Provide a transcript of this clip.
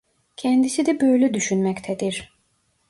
Kendisi de böyle düşünmektedir.